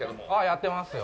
やってますよ。